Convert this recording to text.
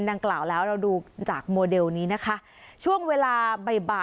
โดยการติดต่อไปก็จะเกิดขึ้นการติดต่อไป